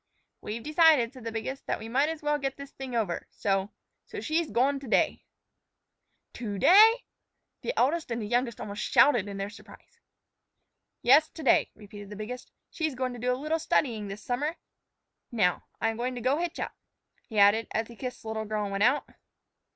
"We've decided," said the biggest, "that we might as well get this thing over. So so she's goin' to day." "To day?" The eldest and the youngest almost shouted in their surprise. "Yes, to day," repeated the biggest. "She's goin' to do a little studyin' this summer; now, I'm goin' to hitch up," he added, as he kissed the little girl and went out.